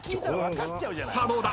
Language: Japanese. さあどうだ？